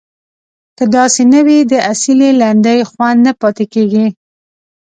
که داسې نه وي د اصیلې لنډۍ خوند نه پاتې کیږي.